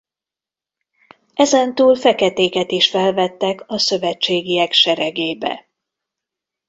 Ezentúl feketéket is felvettek a szövetségiek seregébe.